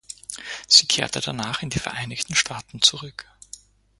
Sie kehrte danach in die Vereinigten Staaten zurück.